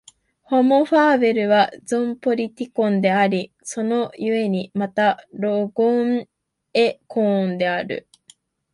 ホモ・ファーベルはゾーン・ポリティコンであり、その故にまたロゴン・エコーンである。